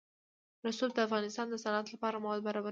رسوب د افغانستان د صنعت لپاره مواد برابروي.